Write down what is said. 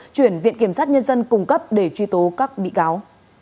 chuyển viện kiểm sát nhân dân cung cấp để truy tố các bị cáo